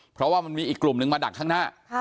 เพราะว่ามันมีอีกกลุ่มนึงมาดักข้างหน้า